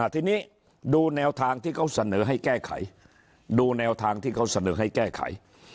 ทีนี้ดูแนวทางที่เขาเสนอให้แก้ไข